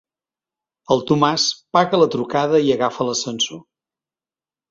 El Tomàs paga la trucada i agafa l'ascensor.